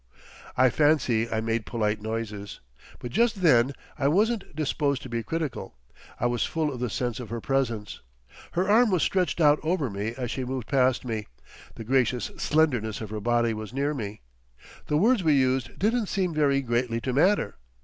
I fancy I made polite noises. But just then I wasn't disposed to be critical. I was full of the sense of her presence; her arm was stretched out over me as she moved past me, the gracious slenderness of her body was near me. The words we used didn't seem very greatly to matter.